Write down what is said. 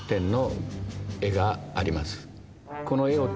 この絵を。